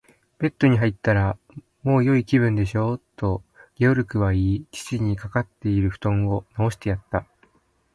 「ベッドに入ったら、もうよい気分でしょう？」と、ゲオルクは言い、父にかかっているふとんをなおしてやった。